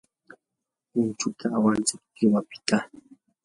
punchuta awantsik millwapiqta.